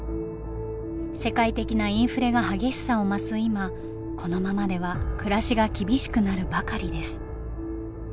世界的なインフレが激しさを増す今このままでは暮らしが厳しくなるばかりです。